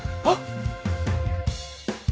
あっ！？